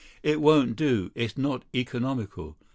It won't do. It's not economical."